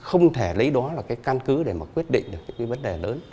không thể lấy đó là cái căn cứ để mà quyết định được những cái vấn đề lớn